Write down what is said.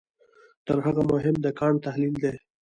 تر هغه مهم د کانټ تحلیل دی.